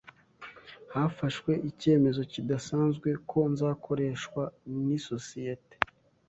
Hafashwe icyemezo kidasanzwe ko nzakoreshwa nisosiyete